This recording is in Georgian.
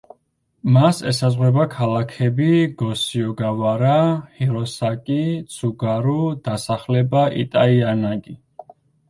მას ესაზღვრება ქალაქები გოსიოგავარა, ჰიროსაკი, ცუგარუ, დასახლება იტაიანაგი.